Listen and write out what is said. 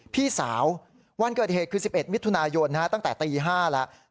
พี่สาววันเกิดเหตุคือสิบเอ็ดมิถุนายนฮะตั้งแต่ตีห้าแล้ว